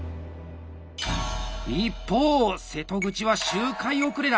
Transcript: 一方瀬戸口は周回遅れだ！